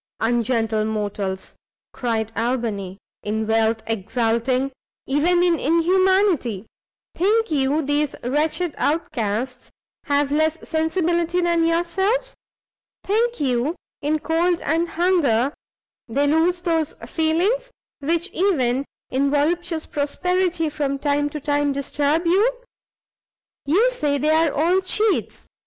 "Ungentle mortals!" cried Albany, "in wealth exulting; even in inhumanity! think you these wretched outcasts have less sensibility than yourselves? think you, in cold and hunger, they lose those feelings which even in voluptuous prosperity from time to time disturb you? you say they are all cheats?